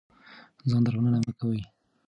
ځان درملنه مه کوئ.